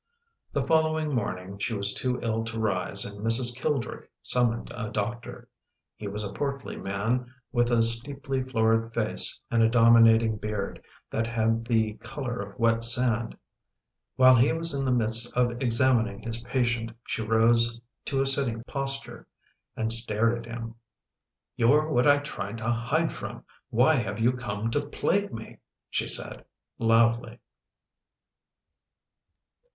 The following morning she was too ill to rise and Mrs. Kildrick summoned a doctor. He was a portly man with a steeply florid face and a dominating beard that had the color of wet sand. While he was in the midst of examin ing his patient she rose to a sitting posture and stared at him. " You're what I tried to hide from; why have you come to plague me? " she said, loudly.